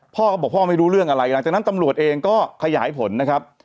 พ่อก็บอกพ่อไม่รู้เรื่องอะไรหลังจากนั้นตำรวจเองก็ขยายผลนะครับ